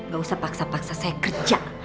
gak usah paksa paksa saya kerja